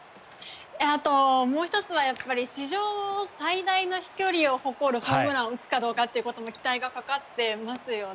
あと、もう１つは史上最大飛距離を誇るホームランを打つかどうかということも期待がかかってますよね。